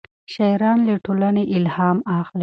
شاعران له ټولنې الهام اخلي.